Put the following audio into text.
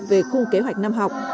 về khung kế hoạch năm học